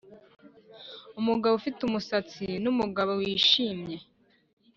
umugabo ufite umusatsi numugabo wishimye,